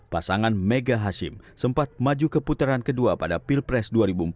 pasangan mega hashim sempat maju ke putaran kedua pada pilpres dua ribu empat belas